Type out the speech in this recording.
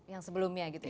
yang sebelumnya gitu ya